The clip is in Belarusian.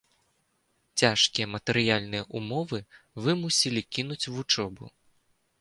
Цяжкія матэрыяльныя ўмовы вымусілі кінуць вучобу.